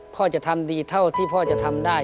พ่อจะทำดีเท่าที่พ่อจะทำได้